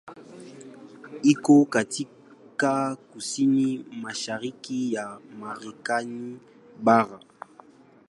Iko katika kusini mashariki ya Marekani bara.